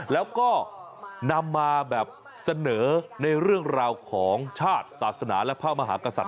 แล้วก็นำมาแบบเสนอในเรื่องราวของชาติศาสนาและพระมหากษัตริย